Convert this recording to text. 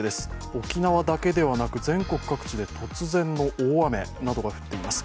沖縄だけではなく全国各地で突然の大雨などが降っています。